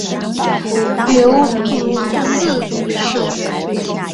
牛乳子树